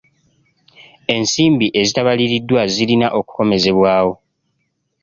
Ensimbi ezitabaliriddwa zirina okukomezebwawo.